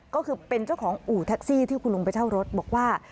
ก็คือเป็นเจ้าของอู่แท็กซี่ที่คุณลุงไปเช่ารถบอกว่า